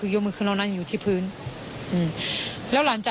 ส่วนรถที่นายสอนชัยขับอยู่ระหว่างการรอให้ตำรวจสอบ